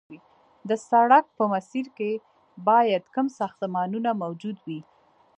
د سړک په مسیر کې باید کم ساختمانونه موجود وي